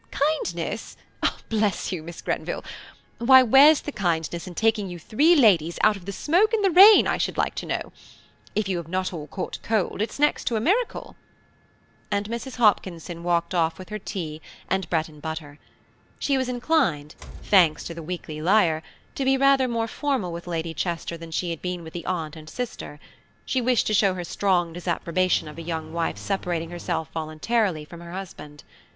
"Kindness!–bless you, Miss Grenville!–why, where's the kindness in taking you three ladies out of the smoke and rain, I should like to know? If you have not all caught cold, it's next to a miracle"; and Mrs. Hopkinson walked off with her tea and bread and butter. She was inclined–thanks to the Weekly Lyre–to be rather more formal with Lady Chester than she had been with the aunt and sister–she wished to show her strong disapprobation of a young wife separating herself voluntarily from her husband.